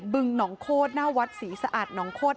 บึงหนองโคตรหน้าวัดศรีสะอาดหนองโคตร